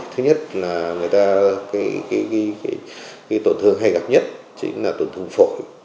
thứ nhất là người ta tổn thương hay gặp nhất chính là tổn thương phổi